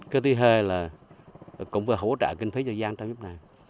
cứ tí hơi là cũng phải hỗ trợ kinh phí cho gian trong lúc này